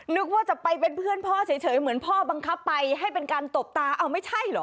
นึกว่าจะไปเป็นเพื่อนพ่อเฉยเหมือนพ่อบังคับไปให้เป็นการตบตาเอาไม่ใช่เหรอ